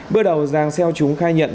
bước đầu giàng xeo chúng khai nhận